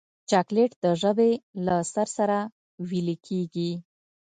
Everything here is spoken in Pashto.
چاکلېټ د ژبې له سر سره ویلې کېږي.